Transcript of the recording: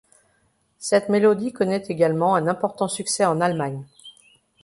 Cette mélodie connaît également un important succès en Allemagne.